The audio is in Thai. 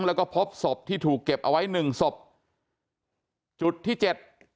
แล้วก็พบศพที่ถูกเก็บเอาไว้หนึ่งศพจุดที่เจ็ด